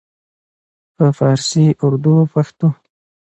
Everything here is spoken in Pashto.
په پارسي، اردو او پښتو